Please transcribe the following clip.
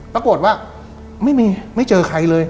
ปรากฏว่าไม่มีไม่เจอใครเลย